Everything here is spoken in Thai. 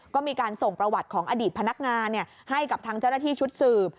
ก็มีการส่งประวัติของอดีตพนักงานให้กับทางเจ้าหน้าที่ชุดสืบ